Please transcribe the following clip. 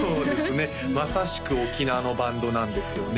まさしく沖縄のバンドなんですよね